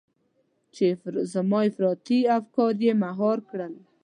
چې زما افراطي افکار يې مهار کړل.